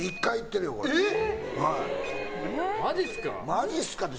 マジっすかって。